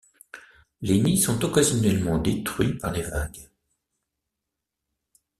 Les nids sont occasionnellement détruits par les vagues.